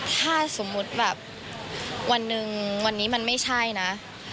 ถ้าสมมุติแบบวันหนึ่งวันนี้มันไม่ใช่นะ